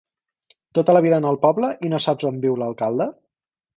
Tota la vida en el poble i no saps a on viu l'alcalde?